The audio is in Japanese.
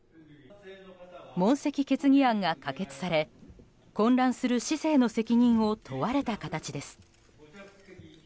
問責決議案が可決され混乱する市政の責任を問われた形です。